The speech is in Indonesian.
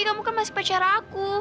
kamu kan masih pacar aku